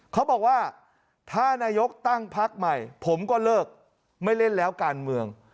เขาบอกว่าถ้านายกตั้งพักใหม่ผมก็เลิกไม่เล่นแล้วการเมือง